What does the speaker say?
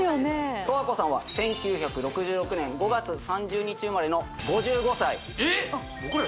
十和子さんは１９６６年５月３０日生まれの５５歳えっ！？